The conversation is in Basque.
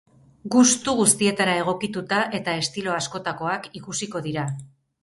Gustu guztietara egokituta eta estilo askotakoak ikusiko dira.